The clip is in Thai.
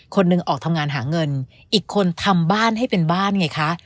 คนหนึ่งออกทำงานหาเงินอีกคนทำบ้านให้เป็นบ้านไงคะ